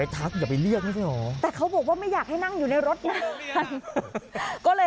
ลงเลยลงเลยลงเลย